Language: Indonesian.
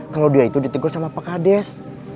kalau dia itu ditegur sama pak kades